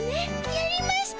やりました。